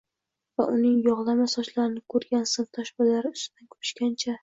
va uning yog‘lama sochlarini ko‘rgan sinfdosh bolalar ustidan kulishganida